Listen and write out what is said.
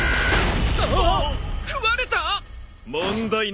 あっ！